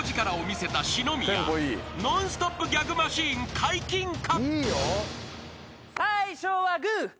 ［ノンストップギャグマシン解禁か？］